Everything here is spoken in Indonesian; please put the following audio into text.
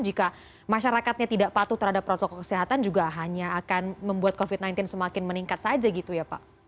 jika masyarakatnya tidak patuh terhadap protokol kesehatan juga hanya akan membuat covid sembilan belas semakin meningkat saja gitu ya pak